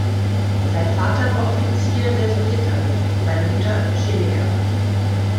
Sein Vater war Offizier der Sowjetarmee, seine Mutter Chemikerin.